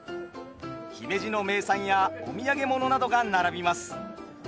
姫路の名産やお土産物などが並びます。